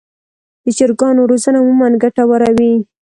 د چرګانو روزنه عموماً ګټه وره وي.